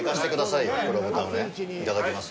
いただきます。